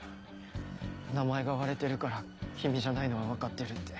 名前が割れてるから君じゃないのは分かってるって。